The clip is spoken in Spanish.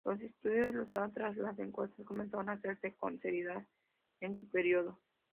Los estudios, los atlas, las encuestas, comenzaron a hacerse con seriedad en su periodo.